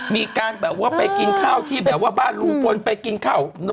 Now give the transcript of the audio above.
มีการแบบว่าไปกินข้าวที่แบบว่าบ้านลุงพลไปกินข้าว